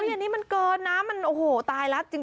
เฮียนี่มันเกินนะมันโอ้โฮตายแล้ว